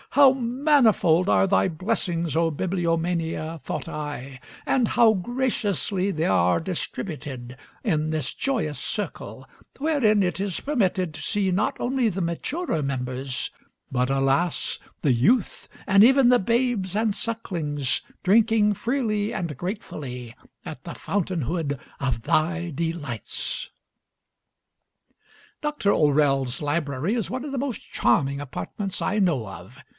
"How manifold are thy blessings, O Bibliomania," thought I, "and how graciously they are distributed in this joyous circle, wherein it is permitted to see not only the maturer members, but, alas, the youth and even the babes and sucklings drinking freely and gratefully at the fountain head of thy delights!" Dr. O'Rell's library is one of the most charming apartments I know of.